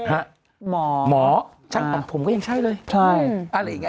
อังเทศหมอช่างปังผมก็ยังใช่เลยอะไรอย่างนี้